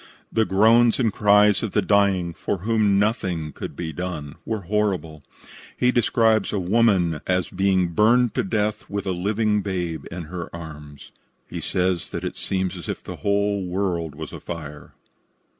The groans and cries of the dying, for whom nothing could be done, were horrible. He describes a woman as being burned to death with a living babe in her arms. He says that it seemed as if the whole world was afire.